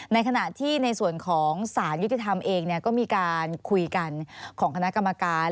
ในขณะที่ในส่วนของสารยุติธรรมเองก็มีการคุยกันของคณะกรรมการ